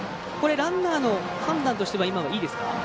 ランナーの判断としては今はいいですか？